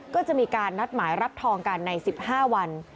ก็จะมีการนัดหมายรับทองกันใน๑๕วัน